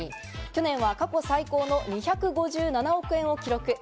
去年は過去最高の２５７億円を記録。